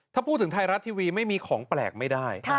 ถ้าพูดถึงไทยรัฐทีวีไม่มีของแปลกไม่ได้